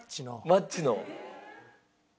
マッチの？